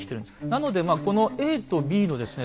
なのでこのＡとＢのですね